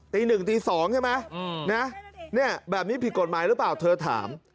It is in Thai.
ตี๑ตี๒ใช่ไหมเนี่ยแบบนี้ผิดกฎหมายหรือเปล่าเธอถาม